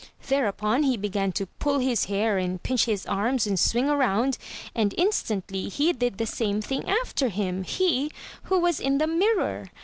Thereupon, he began to pull his hair and pinch his arms and swing round; and instantly he did the same thing after him; he, who was in the mirror.